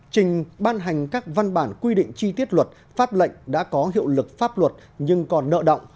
trình ban hành các văn bản quy định chi tiết luật pháp lệnh đã có hiệu lực pháp luật nhưng còn nợ động